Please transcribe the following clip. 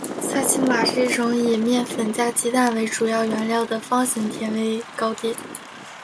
萨其马是一种以面粉加鸡蛋为主要原料的方形甜味糕点。